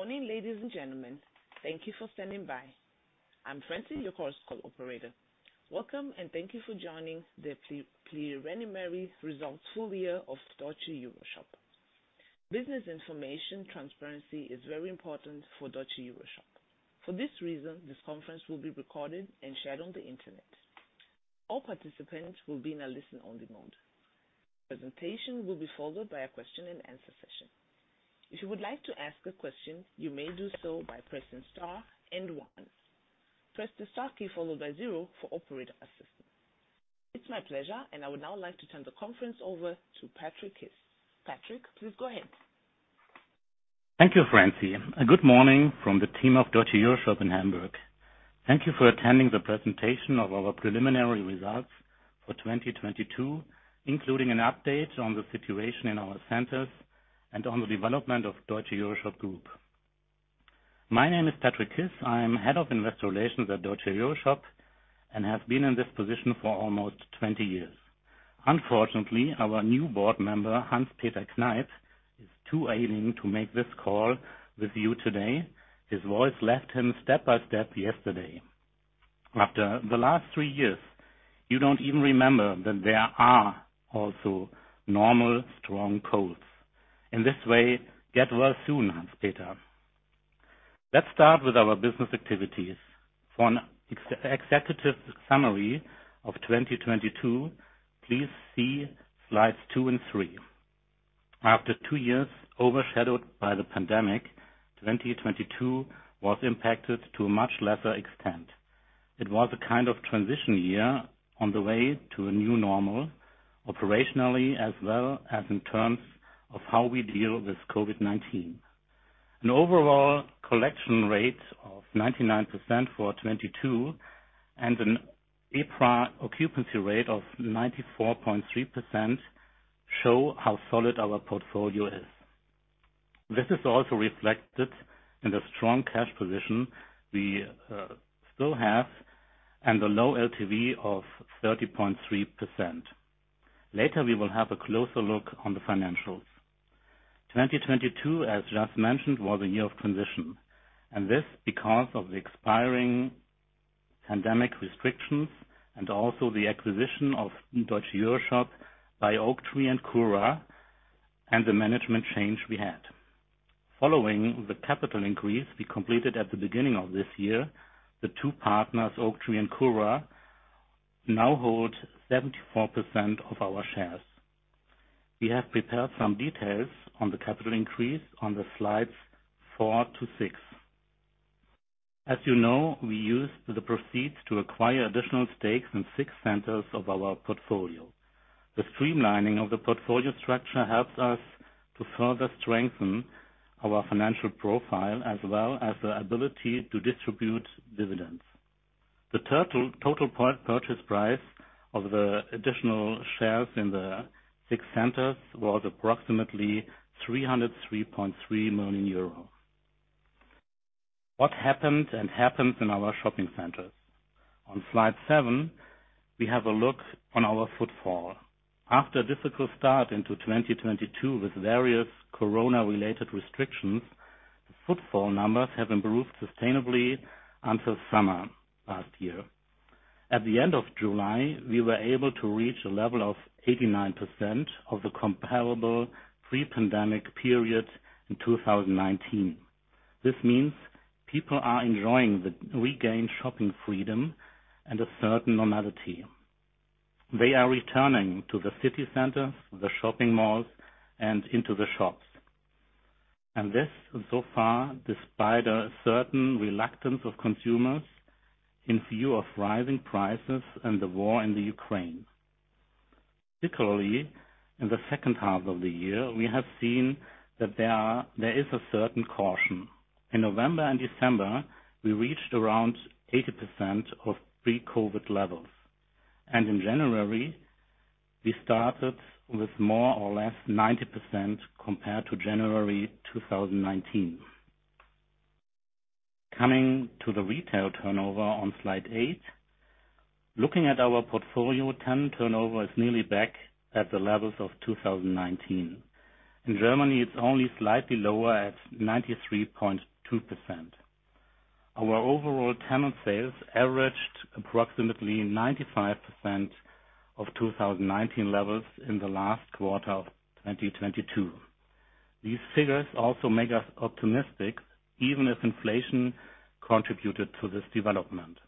Good morning, ladies and gentlemen. Thank you for standing by. I'm Francie, your course call operator. Welcome, and thank you for joining the pre-preliminary results full year of Deutsche EuroShop. Business information transparency is very important for Deutsche EuroShop. For this reason, this conference will be recorded and shared on the Internet. All participants will be in a listen-only mode. Presentation will be followed by a question and answer session. If you would like to ask a question, you may do so by pressing star and one. Press the star key followed by zero for operator assistance. It's my pleasure, I would now like to turn the conference over to Patrick Kiss. Patrick, please go ahead. Thank you, Francie, good morning from the team of Deutsche EuroShop in Hamburg. Thank you for attending the presentation of our preliminary results for 2022, including an update on the situation in our centers and on the development of Deutsche EuroShop Group. My name is Patrick Kiss. I am Head of Investor Relations at Deutsche EuroShop and have been in this position for almost 20 years. Unfortunately, our new board member, Hans-Peter Kneip, is too ailing to make this call with you today. His voice left him step by step yesterday. After the last three years, you don't even remember that there are also normal, strong colds. In this way, get well soon, Hans-Peter. Let's start with our business activities. For an ex-executive summary of 2022, please see slides two and three. After two years overshadowed by the pandemic, 2022 was impacted to a much lesser extent. It was a kind of transition year on the way to a new normal, operationally as well as in terms of how we deal with COVID-19. An overall collection rate of 99% for 2022 and an EPRA occupancy rate of 94.3% show how solid our portfolio is. This is also reflected in the strong cash position we still have and the low LTV of 30.3%. Later, we will have a closer look on the financials. 2022, as just mentioned, was a year of transition, and this because of the expiring pandemic restrictions and also the acquisition of Deutsche EuroShop by Oaktree and CURA and the management change we had. Following the capital increase we completed at the beginning of this year, the two partners, Oaktree and CURA, now hold 74% of our shares. We have prepared some details on the capital increase on the slides four to six. As you know, we used the proceeds to acquire additional stakes in six centers of our portfolio. The streamlining of the portfolio structure helps us to further strengthen our financial profile as well as the ability to distribute dividends. The total purchase price of the additional shares in the six centers was approximately 303.3 million euros. What happened and happens in our shopping centers? On slide seven, we have a look on our footfall. After a difficult start into 2022 with various corona related restrictions, footfall numbers have improved sustainably until summer last year. At the end of July, we were able to reach a level of 89% of the comparable pre-pandemic periods in 2019. This means people are enjoying the regained shopping freedom and a certain normality. They are returning to the city centers, the shopping malls, and into the shops. This, so far, despite a certain reluctance of consumers in view of rising prices and the war in the Ukraine. Particularly in the second half of the year, we have seen that there is a certain caution. In November and December, we reached around 80% of pre-COVID levels. In January, we started with more or less 90% compared to January 2019. Coming to the retail turnover on slide eight. Looking at our portfolio, tenant turnover is nearly back at the levels of 2019. In Germany, it's only slightly lower at 93.2%. Our overall tenant sales averaged approximately 95% of 2019 levels in the last quarter of 2022. These figures also make us optimistic, even if inflation contributed to this development.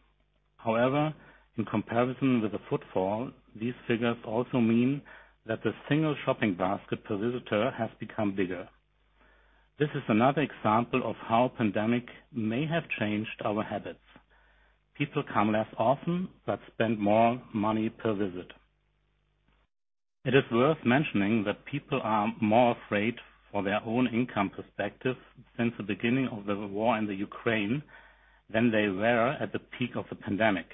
However, in comparison with the footfall, these figures also mean that the single shopping basket per visitor has become bigger. This is another example of how pandemic may have changed our habits. People come less often, but spend more money per visit. It is worth mentioning that people are more afraid for their own income perspective since the beginning of the war in the Ukraine than they were at the peak of the pandemic.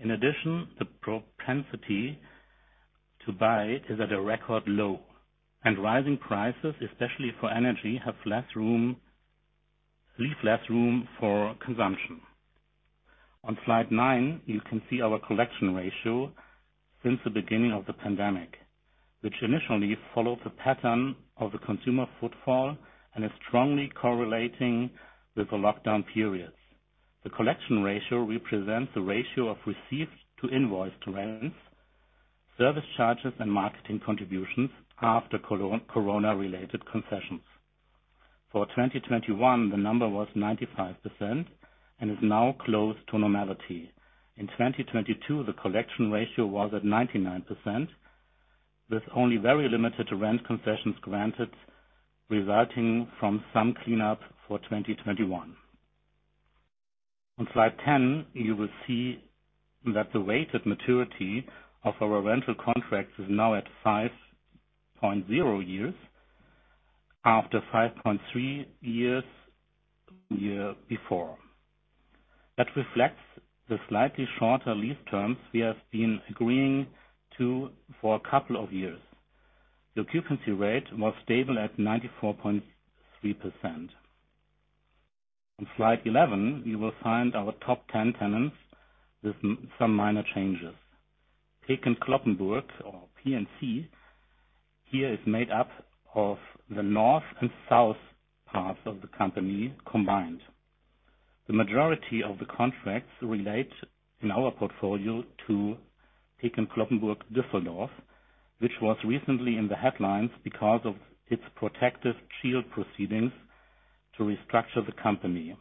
The propensity to buy is at a record low, and rising prices, especially for energy, leave less room for consumption. On slide nine, you can see our collection ratio since the beginning of the pandemic, which initially followed the pattern of the consumer footfall and is strongly correlating with the lockdown periods. The collection ratio represents the ratio of receipts to invoice trends, service charges, and marketing contributions after corona related concessions. For 2021, the number was 95% and is now close to normality. In 2022, the collection ratio was at 99%, with only very limited rent concessions granted, resulting from some cleanup for 2021. On slide 10, you will see that the weighted maturity of our rental contracts is now at 5.0 years, after 5.3 years, year before. That reflects the slightly shorter lease terms we have been agreeing to for a couple of years. The occupancy rate was stable at 94.3%. On slide 11, you will find our top 10 tenants with some minor changes. Peek & Cloppenburg or P&C, here is made up of the north and south parts of the company combined. The majority of the contracts relate in our portfolio to Peek & Cloppenburg Düsseldorf, which was recently in the headlines because of its protective shield proceedings to restructure the company.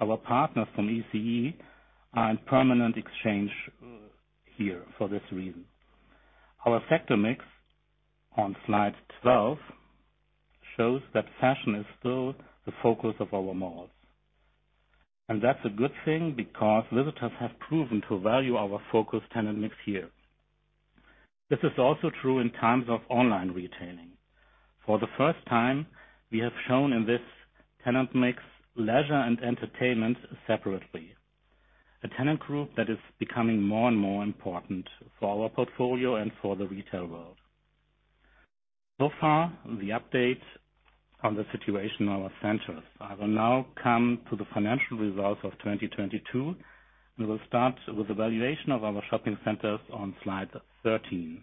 Our partners from ECE are in permanent exchange here for this reason. Our sector mix on slide 12 shows that fashion is still the focus of our malls. That's a good thing because visitors have proven to value our focus tenant mix here. This is also true in times of online retailing. For the first time, we have shown in this tenant mix, leisure and entertainment separately. A tenant group that is becoming more and more important for our portfolio and for the retail world. So far, the updates on the situation in our centers. I will now come to the financial results of 2022. We will start with the valuation of our shopping centers on slide 13.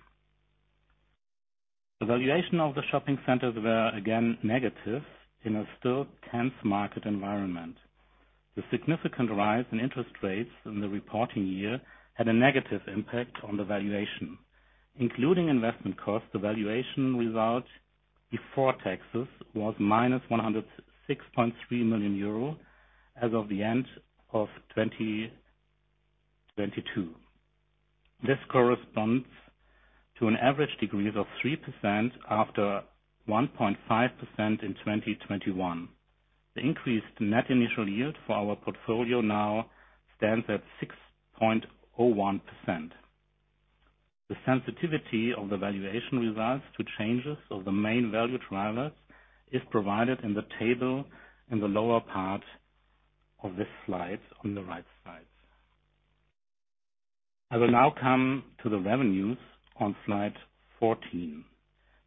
The valuation of the shopping centers were again negative in a still tense market environment. The significant rise in interest rates in the reporting year had a negative impact on the valuation. Including investment costs, the valuation result before taxes was -106.3 million euro as of the end of 2022. This corresponds to an average degree of 3% after 1.5% in 2021. The increased net initial yield for our portfolio now stands at 6.01%. The sensitivity of the valuation results to changes of the main value drivers is provided in the table in the lower part of this slide on the right side. I will now come to the revenues on slide 14.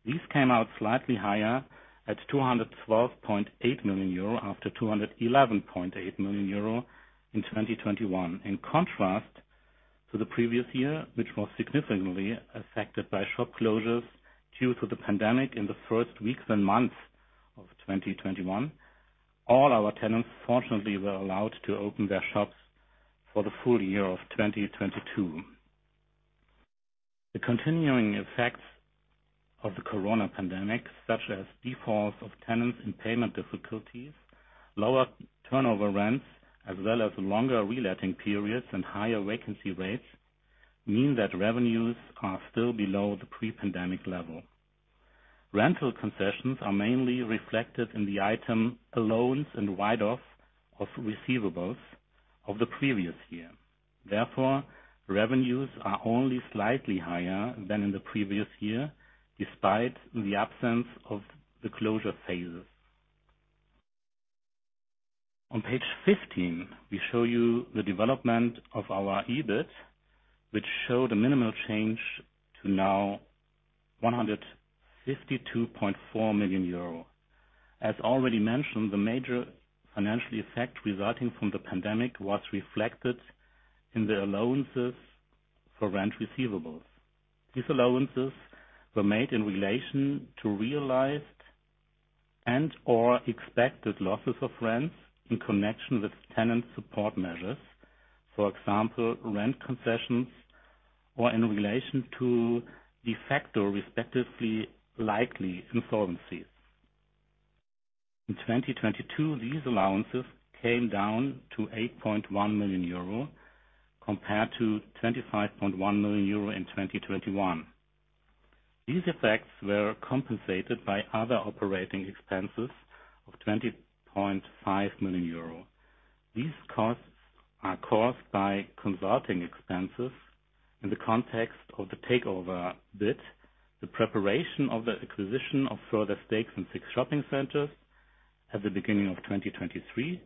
These came out slightly higher at 212.8 million euro after 211.8 million euro in 2021. In contrast to the previous year, which was significantly affected by shop closures due to the pandemic in the first weeks and months of 2021, all our tenants fortunately were allowed to open their shops for the full year of 2022. The continuing effects of the corona pandemic, such as defaults of tenants and payment difficulties, lower turnover rents, as well as longer reletting periods and higher vacancy rates, mean that revenues are still below the pre-pandemic level. Rental concessions are mainly reflected in the item allowance and write-offs of receivables of the previous year. Revenues are only slightly higher than in the previous year, despite the absence of the closure phases. On page 15, we show you the development of our EBIT, which showed a minimal change to now 152.4 million euro. As already mentioned, the major financial effect resulting from the pandemic was reflected in the allowances for rent receivables. These allowances were made in relation to realized and/or expected losses of rent in connection with tenant support measures. For example, rent concessions or in relation to de facto, respectively, likely insolvencies. In 2022, these allowances came down to 8.1 million euro, compared to 25.1 million euro in 2021. These effects were compensated by other operating expenses of 20.5 million euro. These costs are caused by consulting expenses in the context of the takeover bid, the preparation of the acquisition of further stakes in six shopping centers at the beginning of 2023,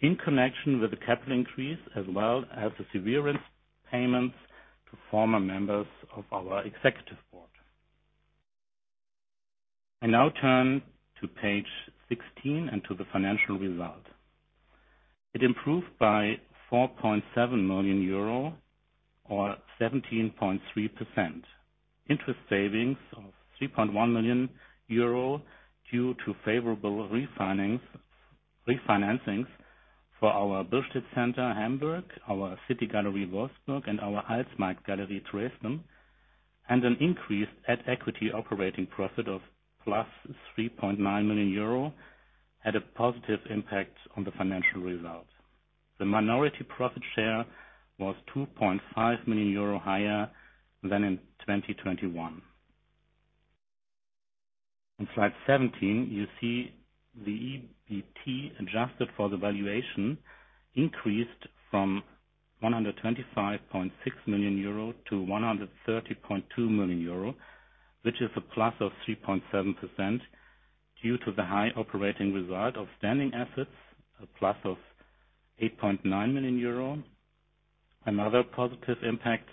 in connection with the capital increase, as well as the severance payments to former members of our executive board. I now turn to page 16 and to the financial result. It improved by 4.7 million euro or 17.3%. Interest savings of 3.1 million euro due to favorable refinancings for our Billstedt-Center Hamburg, our City-Galerie Wolfsburg, and our Altmarkt-Galerie Dresden, and an increase at equity operating profit of 3.9 million euro had a positive impact on the financial result. The minority profit share was 2.5 million euro higher than in 2021. On slide 17, you see the EBT adjusted for the valuation increased from 125.6 million euro to 130.2 million euro, which is a plus of 3.7% due to the high operating result of standing assets, a plus of 8.9 million euro. Another positive impact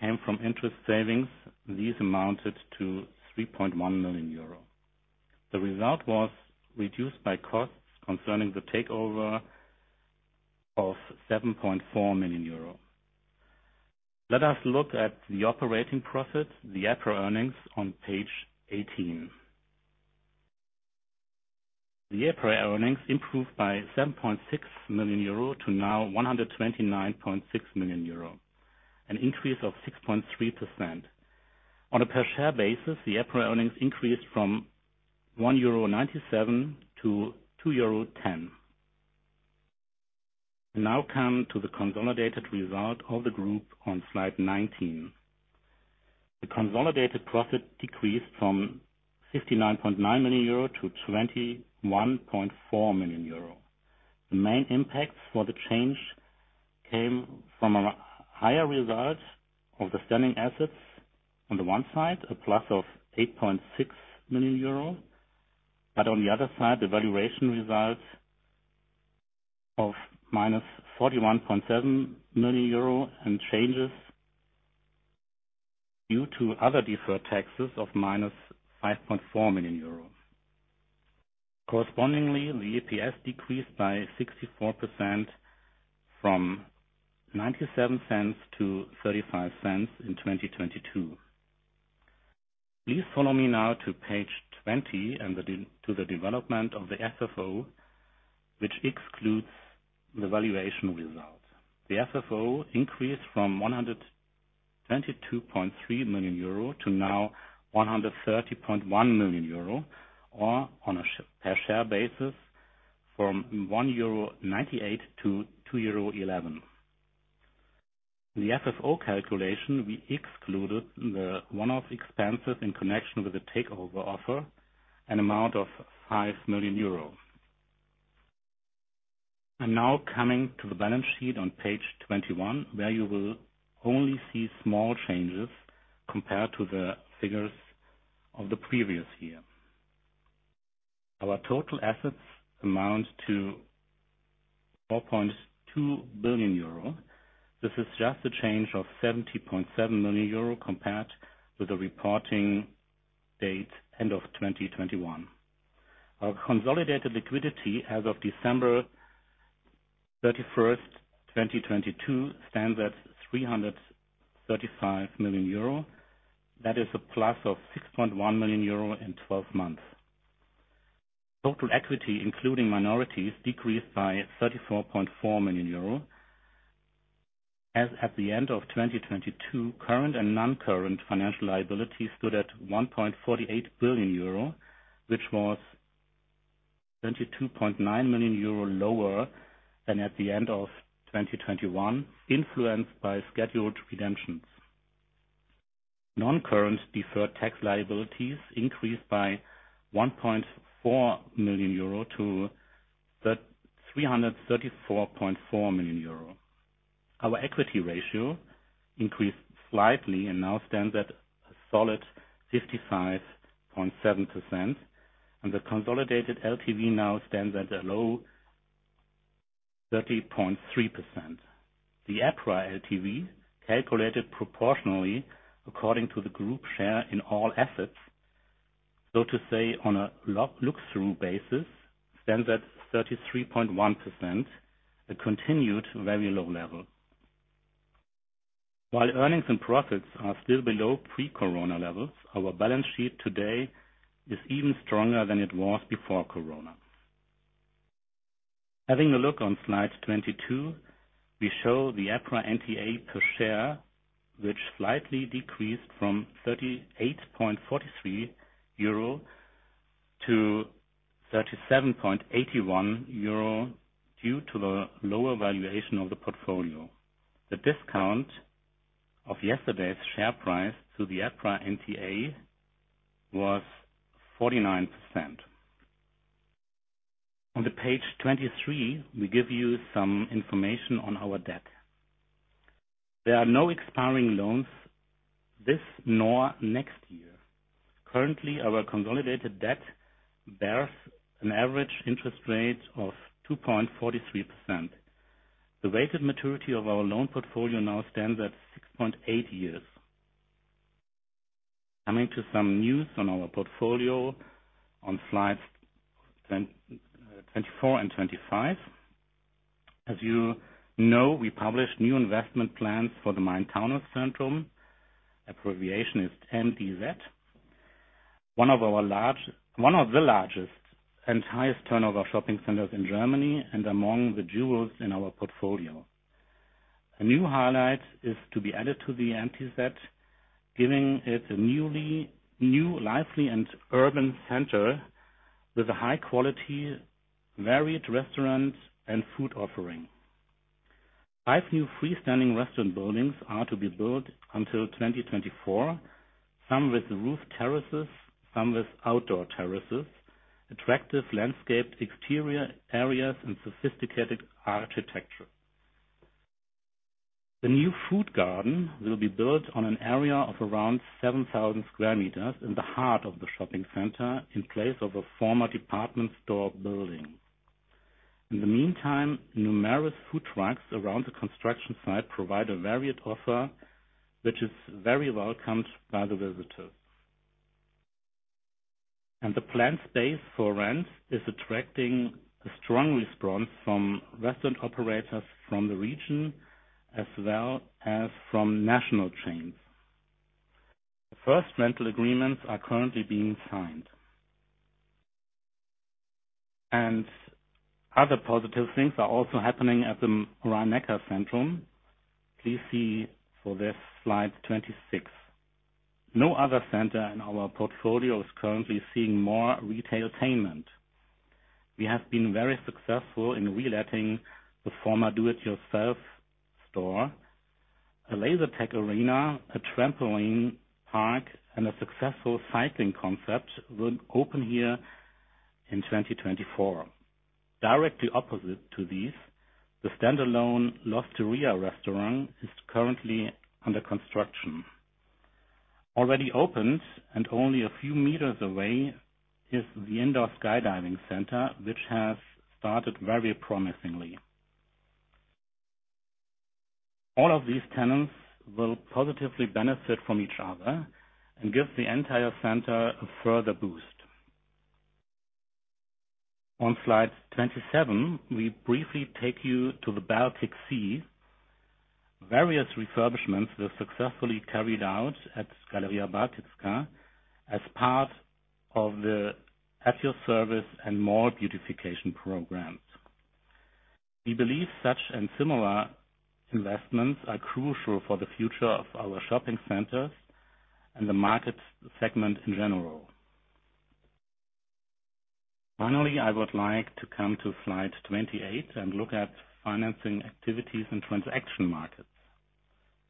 came from interest savings. These amounted to 3.1 million euro. The result was reduced by costs concerning the takeover of 7.4 million euro. Let us look at the operating profit, the EPRA earnings on page 18. The EPRA earnings improved by 7.6 million euro to now 129.6 million euro, an increase of 6.3%. On a per share basis, the EPRA earnings increased from 1.97 euro to 2.10 euro. We now come to the consolidated result of the Group on slide 19. The consolidated profit decreased from 59.9 million euro to 21.4 million euro. The main impact for the change came from a higher result of the standing assets on the one side, a plus of 8.6 million euros, but on the other side, the valuation result of -41.7 million euro and changes due to other deferred taxes of -5.4 million euro. Correspondingly, the EPS decreased by 64% from 0.97 to 0.35 in 2022. Please follow me now to page 20 and to the development of the FFO, which excludes the valuation result. The FFO increased from 122.3 million euro to now 130.1 million euro, or on a per share basis from 1.98 euro to 2.11 euro. The FFO calculation, we excluded the one-off expenses in connection with the takeover offer, an amount of 5 million euro. I'm now coming to the balance sheet on page 21, where you will only see small changes compared to the figures of the previous year. Our total assets amount to 4.2 billion euro. This is just a change of 70.7 million euro compared with the reporting date end of 2021. Our consolidated liquidity as of December 31, 2022, stands at 335 million euro. That is a plus of 6.1 million euro in 12 months. Total equity, including minorities, decreased by 34.4 million euro. As at the end of 2022, current and non-current financial liability stood at 1.48 billion euro, which was 22.9 million euro lower than at the end of 2021, influenced by scheduled redemptions. Non-current deferred tax liabilities increased by 1.4 million euro to 334.4 million euro. Our equity ratio increased slightly and now stands at a solid 55.7%, and the consolidated LTV now stands at a low 30.3%. The EPRA LTV calculated proportionally according to the group share in all assets, so to say, on a look through basis, stands at 33.1%, a continued very low level. While earnings and profits are still below pre-corona levels, our balance sheet today is even stronger than it was before corona. Having a look on slide 22, we show the EPRA NTA per share, which slightly decreased from 38.43 euro to 37.81 euro due to the lower valuation of the portfolio. The discount of yesterday's share price to the EPRA NTA was 49%. Onto page 23, we give you some information on our debt. There are no expiring loans this nor next year. Currently, our consolidated debt bears an average interest rate of 2.43%. The weighted maturity of our loan portfolio now stands at 6.8 years. Coming to some news on our portfolio on slides 24 and 25. As you know, we published new investment plans for the Main-Taunus-Zentrum, abbreviation is MTZ. One of the largest and highest turnover shopping centers in Germany and among the jewels in our portfolio. A new highlight is to be added to the MTZ, giving it a new lively and urban center with a high quality, varied restaurants and food offering. Five new freestanding restaurant buildings are to be built until 2024, some with roof terraces, some with outdoor terraces, attractive landscaped exterior areas, and sophisticated architecture. The new Food Garden will be built on an area of around 7,000 square meters in the heart of the shopping center in place of a former department store building. In the meantime, numerous food trucks around the construction site provide a varied offer, which is very welcomed by the visitors. The planned space for rent is attracting a strong response from restaurant operators from the region as well as from national chains. The first rental agreements are currently being signed. Other positive things are also happening at the Rhein-Neckar-Zentrum. Please see for this slide 26. No other center in our portfolio is currently seeing more retailtainment. We have been very successful in reletting the former do it yourself store. A laser tag arena, a trampoline park, and a successful cycling concept will open here in 2024. Directly opposite to these, the standalone L'Osteria restaurant is currently under construction. Already opened and only a few meters away is the indoor skydiving center, which has started very promisingly. All of these tenants will positively benefit from each other and give the entire center a further boost. On slide 27, we briefly take you to the Baltic Sea. Various refurbishments were successfully carried out at Galeria Bałtycka as part of the At your Service and more beautification programs. We believe such and similar investments are crucial for the future of our shopping centers and the market segment in general. I would like to come to slide 28 and look at financing activities and transaction markets.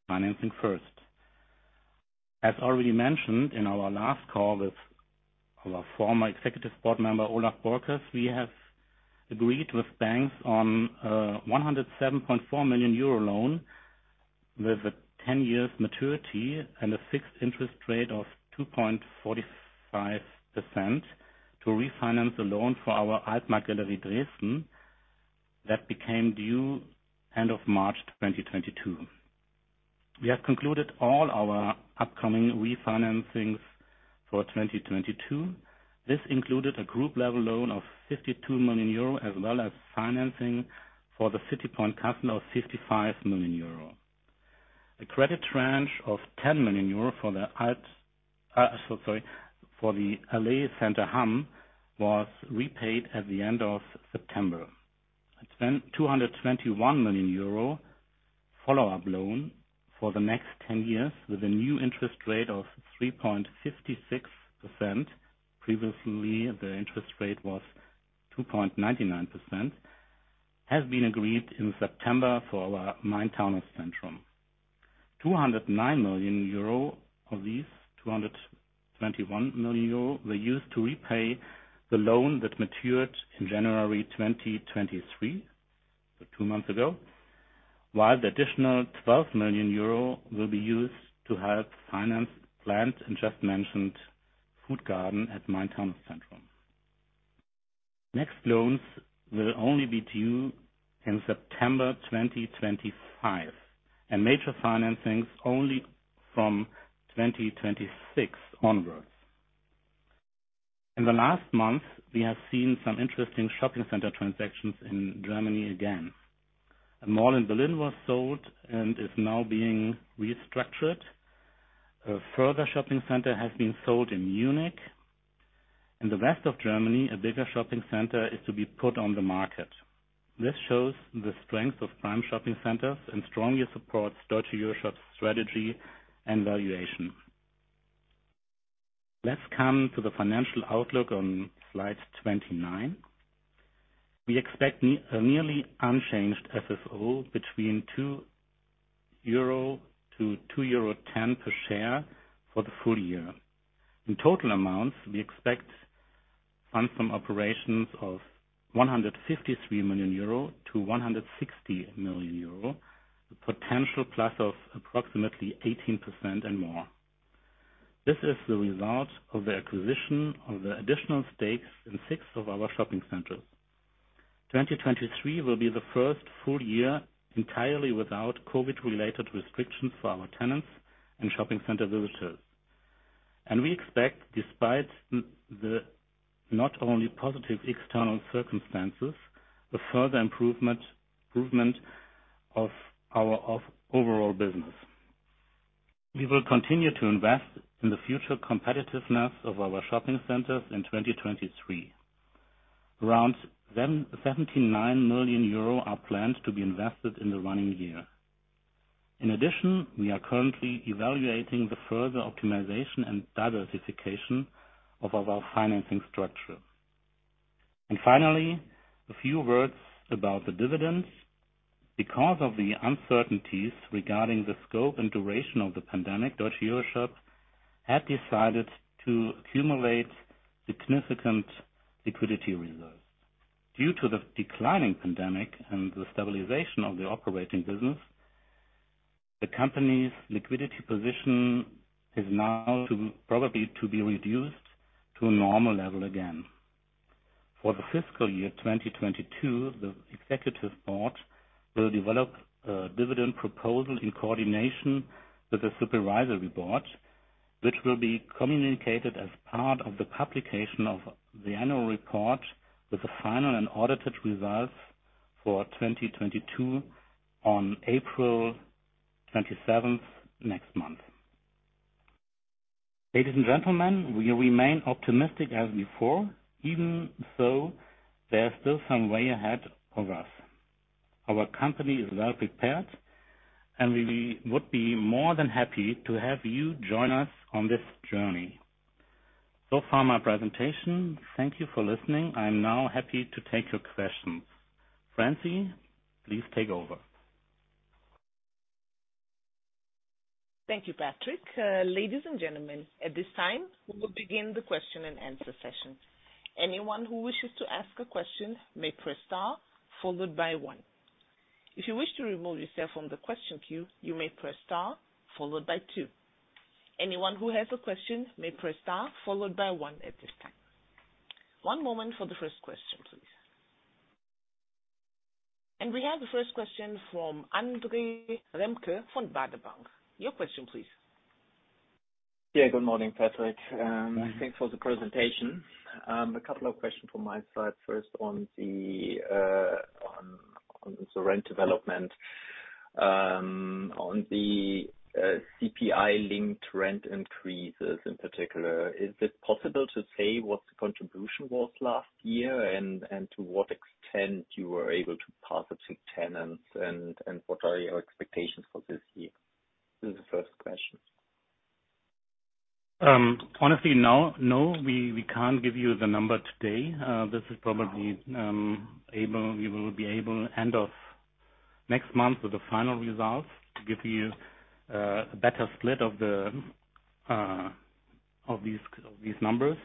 Financing first. As already mentioned in our last call with our former executive board member Olaf Borkers, we have agreed with banks on 107.4 million euro loan with a 10 years maturity and a fixed interest rate of 2.45% to refinance a loan for our Altmarkt-Galerie that became due end of March 2022. We have concluded all our upcoming refinancings for 2022. This included a group level loan of 52 million euro, as well as financing for the City Point Kassel of 55 million euro. A credit tranche of 10 million euro for the Allee-Center Hamm was repaid at the end of September. 221 million euro follow-up loan for the next 10 years with a new interest rate of 3.56%. Previously, the interest rate was 2.99%, has been agreed in September for our Main-Taunus-Zentrum. 209 million euro of these 221 million euro were used to repay the loan that matured in January 2023, so two months ago. The additional 12 million euro will be used to help finance planned and just mentioned Food Garden at Main-Taunus-Zentrum. Next loans will only be due in September 2025. Major financings only from 2026 onwards. In the last month, we have seen some interesting shopping center transactions in Germany again. A mall in Berlin was sold and is now being restructured. A further shopping center has been sold in Munich. In the rest of Germany, a bigger shopping center is to be put on the market. This shows the strength of prime shopping centers and strongly supports Deutsche EuroShop's strategy and valuation. Let's come to the financial outlook on slide 29. We expect nearly unchanged FFO between 2-2.10 euro per share for the full year. In total amounts, we expect funds from operations of 153 million-160 million euro, a potential plus of approximately 18% and more. This is the result of the acquisition of the additional stakes in six of our shopping centers. 2023 will be the first full year entirely without COVID related restrictions for our tenants and shopping center visitors. We expect, despite the not only positive external circumstances, a further improvement of our overall business. We will continue to invest in the future competitiveness of our shopping centers in 2023. Around 779 million euro are planned to be invested in the running year. We are currently evaluating the further optimization and diversification of our financing structure. A few words about the dividends. Because of the uncertainties regarding the scope and duration of the pandemic, Deutsche EuroShop had decided to accumulate significant liquidity reserves. Due to the declining pandemic and the stabilization of the operating business, the company's liquidity position is now probably to be reduced to a normal level again. For the fiscal year 2022, the executive board will develop a dividend proposal in coordination with the supervisory board, which will be communicated as part of the publication of the annual report with the final and audited results for 2022 on April 27th, next month. Ladies and gentlemen, we remain optimistic as before, even so there is still some way ahead of us. Our company is well prepared, and we would be more than happy to have you join us on this journey. So far my presentation. Thank you for listening. I'm now happy to take your questions. Francine, please take over. Thank you, Patrick. Ladies and gentlemen, at this time, we will begin the question and answer session. Anyone who wishes to ask a question may press star followed by one. If you wish to remove yourself from the question queue, you may press star followed by two. Anyone who has a question may press star followed by one at this time. One moment for the first question, please. We have the first question from Andre Remke from Baader Bank. Your question, please. Good morning, Patrick. Thanks for the presentation. A couple of questions from my side. First on the rent development, on the CPI-linked rent increases in particular. Is it possible to say what the contribution was last year, and to what extent you were able to pass it to tenants and what are your expectations for this year? This is the first question. Honestly, we can't give you the number today. This is probably, we will be able end of next month with the final results to give you a better split of these numbers.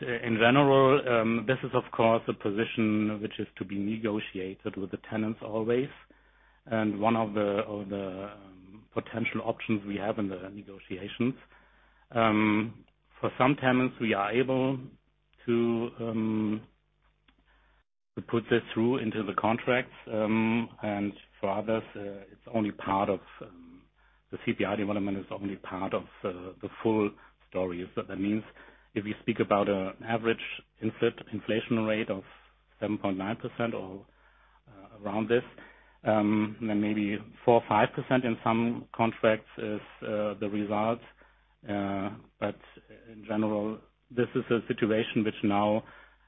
In general, this is, of course, a position which is to be negotiated with the tenants always, and one of the potential options we have in the negotiations. For some tenants, we are able to put this through into the contracts, and for others, it's only part of the CPI development is only part of the full story. That means if you speak about an average insert inflation rate of 7.9% or around this, then maybe 4% or 5% in some contracts is the result. In general, this is a situation which now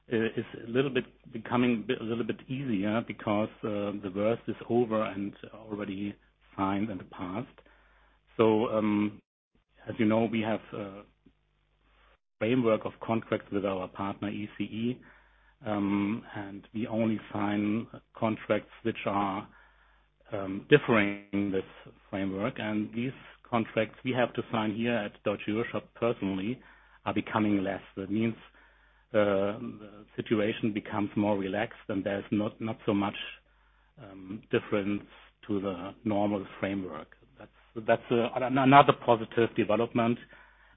is a little bit becoming a little bit easier because the worst is over and already signed in the past. As you know, we have a framework of contracts with our partner ECE, and we only sign contracts which are differing this framework. These contracts we have to sign here at Deutsche EuroShop personally are becoming less. That means the situation becomes more relaxed, and there's not so much difference to the normal framework. That's another positive development,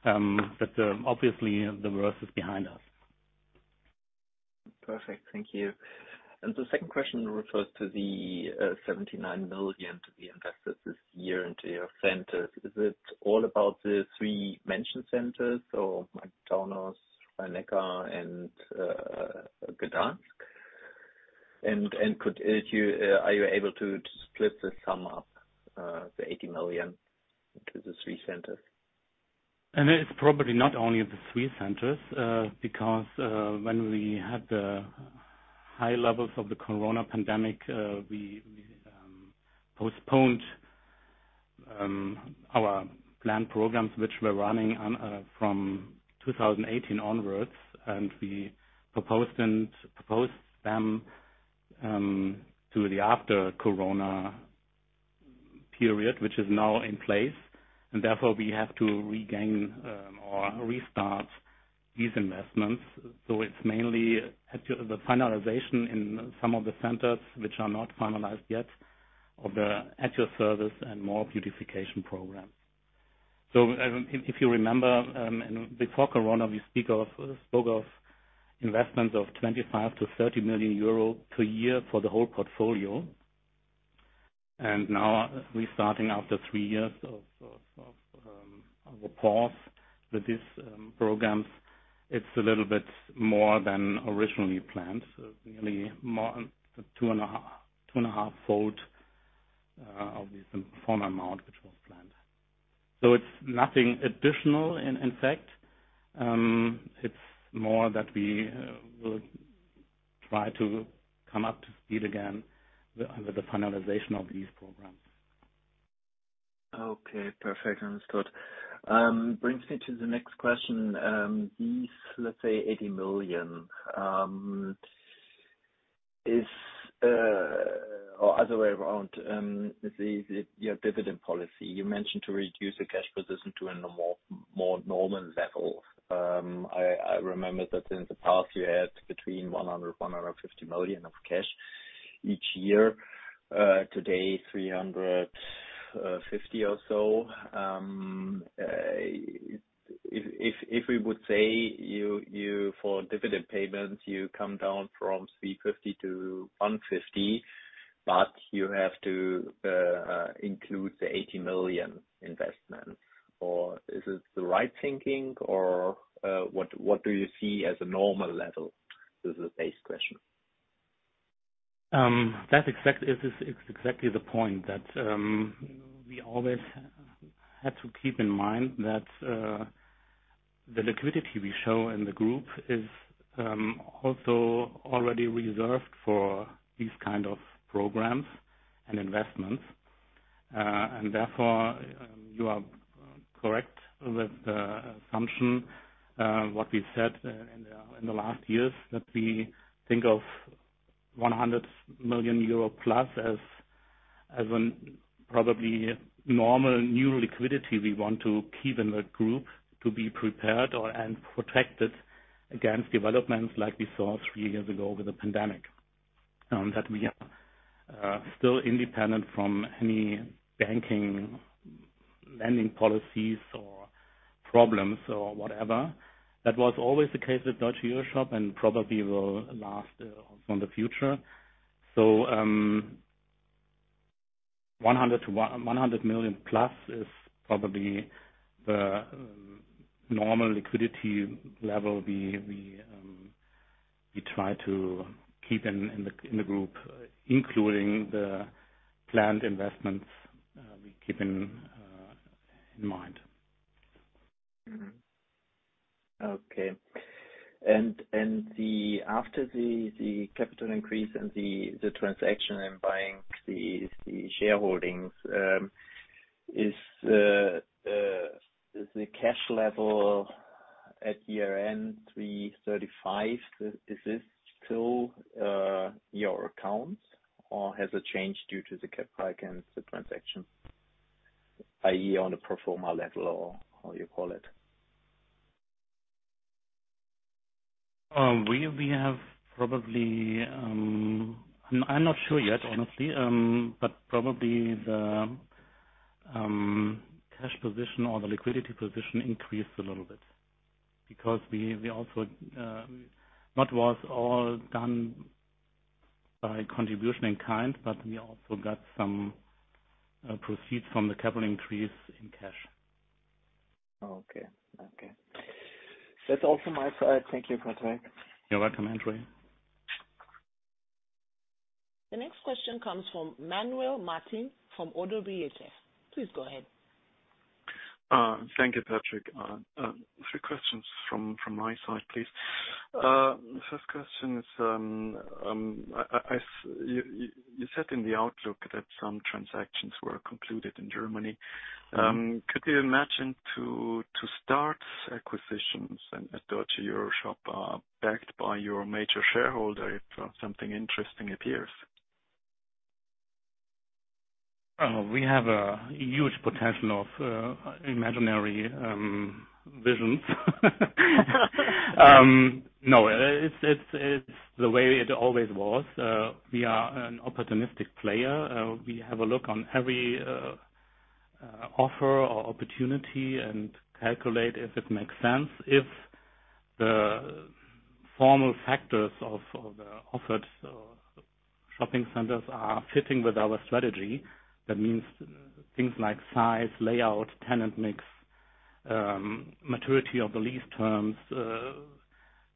but obviously the worst is behind us. Perfect. Thank you. The second question refers to the 79 million to be invested this year into your centers. Is it all about the three mentioned centers, so Magdeburg, Rhein-Neckar, and Gdansk? Could you are you able to split the sum up the 80 million into the three centers? It's probably not only the three centers, because when we had the high levels of the Corona pandemic, we postponed our planned programs, which were running on from 2018 onwards, and we proposed them to the after Corona period, which is now in place. Therefore, we have to regain or restart these investments, so it's mainly at the finalization in some of the centers which are not finalized yet of the At your Service and more beautification program. If you remember, in before Corona, we spoke of investments of 25 million-30 million euro per year for the whole portfolio. Now we're starting after three years of a pause with these programs. It's a little bit more than originally planned, so really more than two and a half fold, of the former amount which was planned. It's nothing additional in fact. It's more that we will try to come up to speed again with the finalization of these programs. Okay. Perfect. Understood. Brings me to the next question. These, let's say 80 million, is or other way around, is it your dividend policy? You mentioned to reduce the cash position to a more normal level. I remember that in the past you had between 100 million-150 million of cash each year. Today, 350 million or so. If we would say you for dividend payments, you come down from 350 million to 150 million, but you have to include the 80 million investment. Or is it the right thinking or, what do you see as a normal level? This is a base question. It is, it's exactly the point that we always have to keep in mind that the liquidity we show in the group is also already reserved for these kind of programs and investments. Therefore, you are correct with the assumption what we said in the last years, that we think of 100 million euro+ as an probably normal new liquidity we want to keep in the group to be prepared or, and protected against developments like we saw three years ago with the pandemic, that we are still independent from any banking lending policies or problems or whatever. That was always the case with Deutsche EuroShop and probably will last on the future. 100 to 1, 100 million+ is probably the normal liquidity level we try to keep in the Group, including the planned investments, we keep in mind. Okay. After the capital increase and the transaction and buying the shareholdings, is the cash level at year end 335, is this still your accounts or has it changed due to the cap rise and the transaction, i.e., on a pro forma level or how you call it? We have probably, I'm not sure yet, honestly, but probably the cash position or the liquidity position increased a little bit because we also, what was all done by contribution in kind, but we also got some proceeds from the capital increase in cash. Okay. Okay. That's all from my side. Thank you, Patrick. You're welcome, Andre. The next question comes from Manuel Martin from ODDO BHF. Please go ahead. Thank you, Patrick. Three questions from my side, please. The first question is, You said in the outlook that some transactions were concluded in Germany. Mm-hmm. Could you imagine to start acquisitions at Deutsche EuroShop, backed by your major shareholder if something interesting appears? We have a huge potential of imaginary visions. No, it's the way it always was. We are an opportunistic player. We have a look on every offer or opportunity and calculate if it makes sense. If the formal factors of the offered shopping centers are fitting with our strategy, that means things like size, layout, tenant mix, maturity of the lease terms,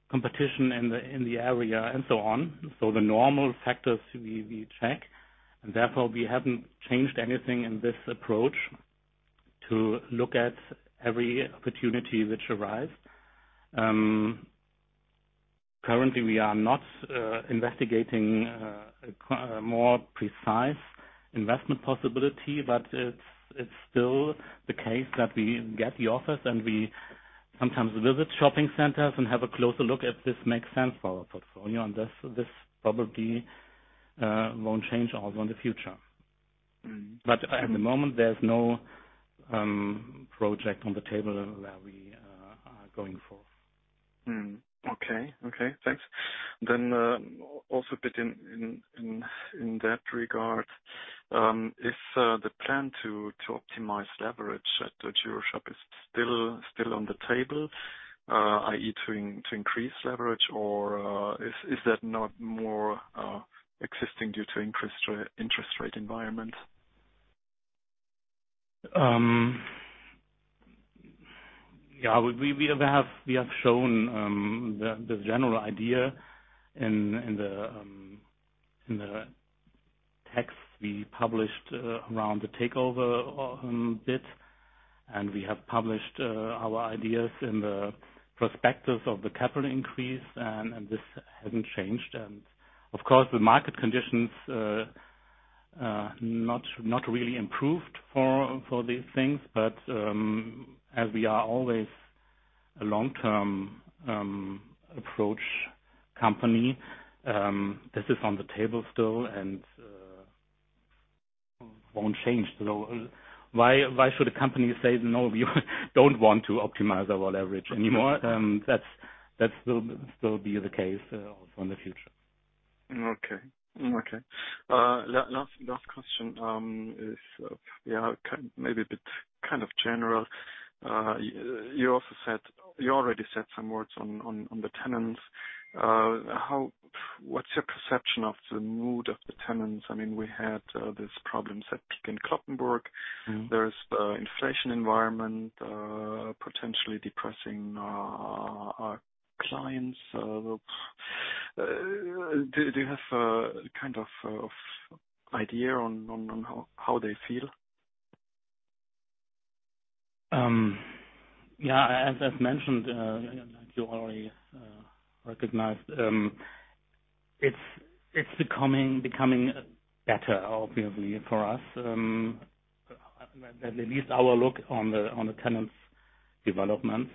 competition in the area, and so on. The normal factors we check, and therefore we haven't changed anything in this approach to look at every opportunity which arrives. Currently, we are not investigating a more precise investment possibility, but it's still the case that we get the offers and we sometimes visit shopping centers and have a closer look if this makes sense for our portfolio. This probably won't change also in the future. At the moment, there's no project on the table that we are going for. Okay. Thanks. Also bit in that regard, is the plan to optimize leverage at the EuroShop is still on the table, i.e., to increase leverage? Or is that not more existing due to interest rate environment? Yeah, we have shown the general idea in the text we published around the takeover bit. We have published our ideas in the prospectus of the capital increase, and this hasn't changed. Of course, the market conditions not really improved for these things, but as we are always a long-term approach company, this is on the table still and won't change. Why should a company say, "No, we don't want to optimize our leverage anymore?" That will still be the case also in the future. Okay. Okay. Last question is, yeah, kind of... maybe a bit kind of general. You already said some words on the tenants. What's your perception of the mood of the tenants? I mean, we had these problems at Peek & Cloppenburg. Mm-hmm. There's the inflation environment, potentially depressing our clients. Do you have a kind of idea on how they feel? Yeah, as mentioned, and you already recognized, it's becoming better obviously for us. At least our look on the tenants' developments.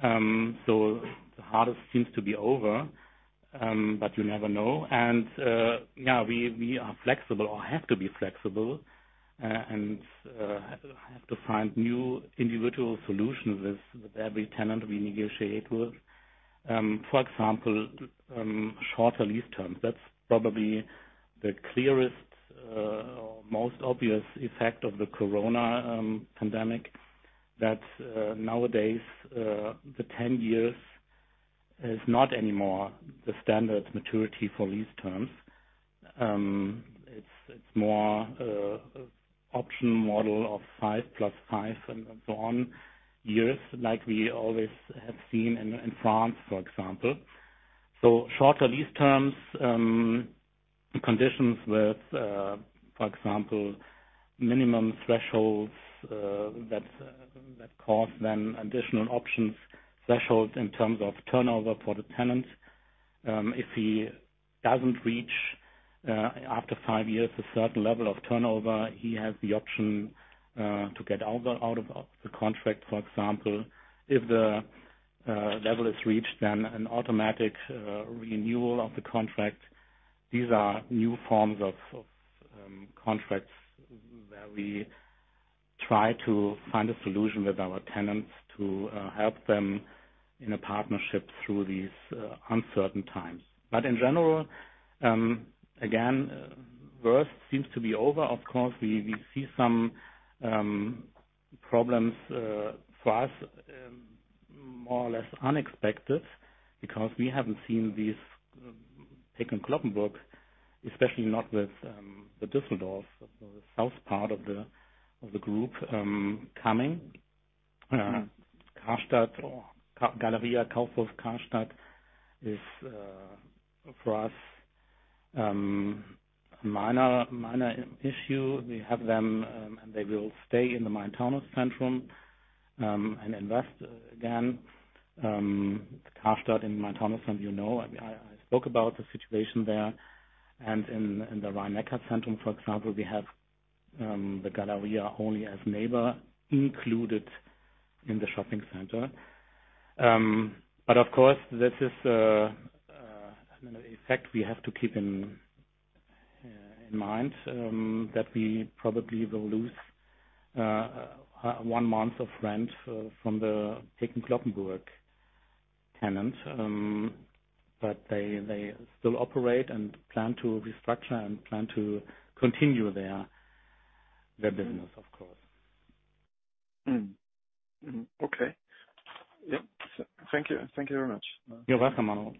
The hardest seems to be over, but you never know. We are flexible or have to be flexible and have to find new individual solutions with every tenant we negotiate with. For example, shorter lease terms. That's probably the clearest or most obvious effect of the Corona pandemic. Nowadays, the 10 years is not anymore the standard maturity for lease terms. It's more an option model of five plus five and so on, years, like we always have seen in France, for example. Shorter lease terms, conditions with, for example, minimum thresholds that cause then additional options thresholds in terms of turnover for the tenants. If he doesn't reach after five years, a certain level of turnover, he has the option to get out of the contract, for example. If the level is reached, then an automatic renewal of the contract. These are new forms of contracts where we try to find a solution with our tenants to help them in a partnership through these uncertain times. In general, again, worst seems to be over. Of course, we see some problems for us more or less unexpected because we haven't seen these Peek & Cloppenburg, especially not with the Düsseldorf's, the south part of the group, coming. Karstadt or GALERIA Karstadt Kaufhof is for us a minor issue. We have them and they will stay in the Main-Taunus-Zentrum, and invest again. Karstadt in Main-Taunus-Zentrum, you know, I spoke about the situation there. In the Rhein-Neckar-Zentrum, for example, we have the Galeria only as neighbor included in the shopping center. Of course, this is an effect we have to keep in mind that we probably will lose one month of rent from the Peek & Cloppenburg tenants. They still operate and plan to restructure and plan to continue their business, of course. Mm-hmm. Mm-hmm. Okay. Yeah. Thank you. Thank you very much. You're welcome, Manuel.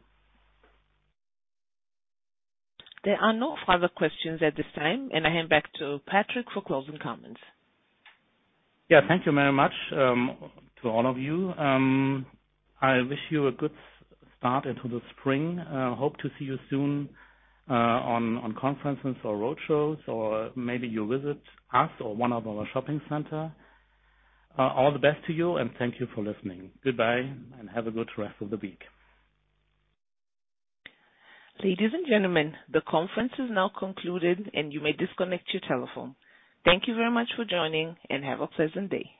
There are no further questions at this time. I hand back to Patrick for closing comments. Thank you very much to all of you. I wish you a good start into the spring. Hope to see you soon on conferences or roadshows, or maybe you visit us or one of our shopping center. All the best to you and thank you for listening. Goodbye, and have a good rest of the week. Ladies and gentlemen, the conference is now concluded and you may disconnect your telephone. Thank you very much for joining, and have a pleasant day.